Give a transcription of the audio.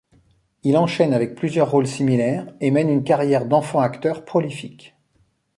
Il enchaîne avec plusieurs rôles similaires et mène une carrière d'enfant acteur prolifique.